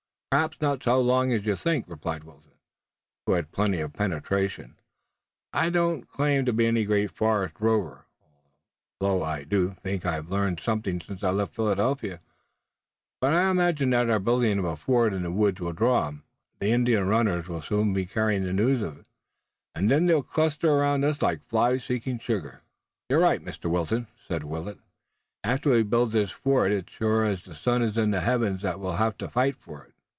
"Perhaps not so long as you think," replied Wilton, who had plenty of penetration. "I don't claim to be any great forest rover, although I do think I've learned something since I left Philadelphia, but I imagine that our building of a fort in the woods will draw 'em. The Indian runners will soon be carrying the news of it, and then they'll cluster around us like flies seeking sugar." "You're right, Mr. Wilton," said Willet. "After we build this fort it's as sure as the sun is in the heavens that we'll have to fight for it."